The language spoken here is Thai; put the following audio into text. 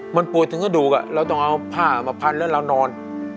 มันป่วยถึงกระดูกเราต้องเอาผ้ามาพันแล้วเรานอน